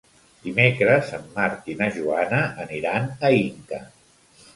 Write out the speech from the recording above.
Dimecres en Marc i na Joana aniran a Inca.